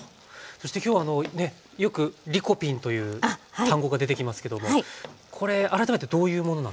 そして今日よくリコピンという単語が出てきますけどもこれ改めてどういうものなんですか？